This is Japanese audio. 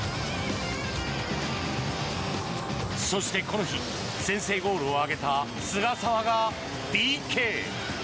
そして、この日先制ゴールを挙げた菅澤がＰＫ。